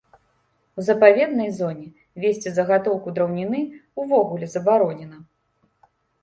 У запаведнай зоне весці загатоўку драўніны увогуле забаронена.